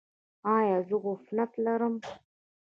ایا زه عفونت لرم؟